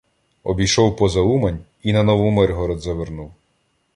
Обійшов поза Умань і на Новомиргород завернув.